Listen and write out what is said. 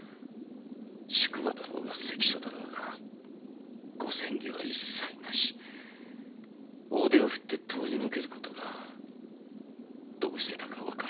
宿場だろうが関所だろうが取り調べは一切なし大手を振って通り抜ける事がどうしてだか分かりますか？